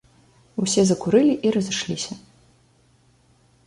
Усе закурылі і разышліся.